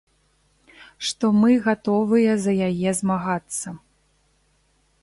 Што мы гатовыя за яе змагацца.